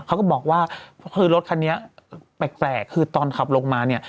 เขาก็บอกว่าคือรถคันนี้แปลกคือตอนขับลงมาเนี่ย